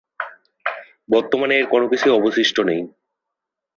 বর্তমানে এর কোন কিছুই অবশিষ্ট নেই।